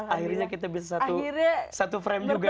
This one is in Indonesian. akhirnya kita bisa satu frame juga